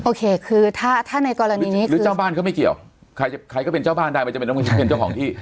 โอเคคือถ้าในกรณีนี้หรือเจ้าบ้านก็ไม่เกี่ยวใครก็เป็นเจ้าบ้านได้มันจะเป็นเจ้าของที่